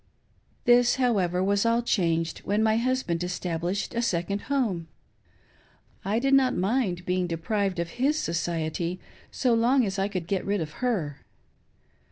This, however, was all changed when my husband established a second home. I did not mind being deprived of his society so long as I could get rid of her.